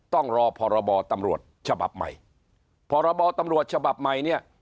ต้องรอพรบตำรวจฉบับใหม่พรบตำรวจฉบับใหม่เนี่ย